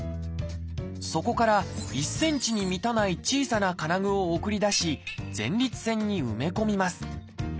そこから１ｃｍに満たない小さな金具を送り出し前立腺に埋め込みます。